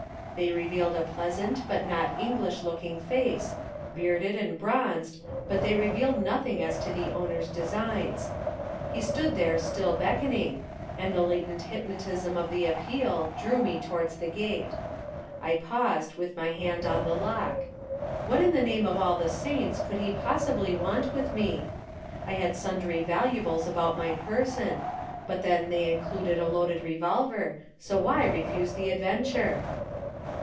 They revealed a pleasant but not English looking face, bearded and bronzed, but they revealed nothing as to the owner's designs. He stood there still beckoning, and the latent hypnotism of the appeal drew me towards the gate. I paused with my hand on the lock. What in the name of all the saints could he possibly want with me? I had sundry valuables about my person, but then they included a loaded revolver, so why refuse the adventure?